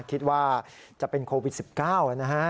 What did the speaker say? คิดว่าจะเป็นโควิด๑๙นะฮะ